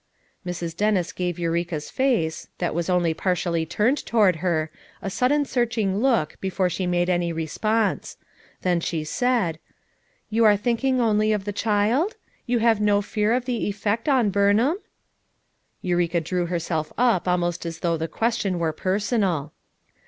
Mrs. Dennis gave Eureka's face, that was only partially turned toward her, a sudden searching look before she made any response. Then she said: "You are thinking only of the child? You have no fear of the effect on Burnham?" Eureka drew herself up almost as though the question were personal.